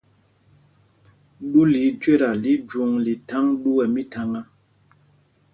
Ɗú lɛ́ íjüéta lí jwǒŋ lí thaŋ ɗú ɛ mítháŋá.